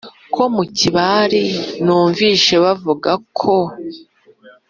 nko mu kibari numvise bavuga ko